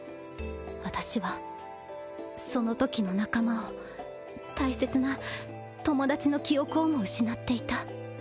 私はそのときの仲間を大切な友達の記憶をも失っていた。